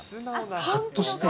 はっとして。